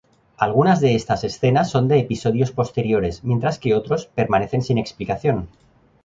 Algunas de estas escenas son de episodios posteriores, mientras que otros permanecen sin explicación.